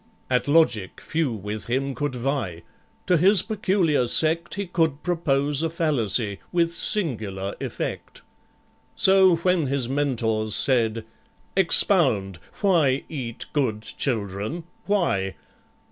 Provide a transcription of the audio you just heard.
At logic few with him could vie; To his peculiar sect He could propose a fallacy With singular effect. So, when his Mentors said, "Expound— Why eat good children—why?"